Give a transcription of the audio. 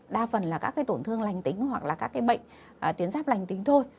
đa phần là các tổn thương lành tính hoặc là các cái bệnh tuyến giáp lành tính thôi